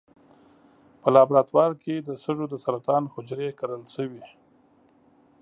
په لابراتوار کې د سږو د سرطان حجرې کرل شوي.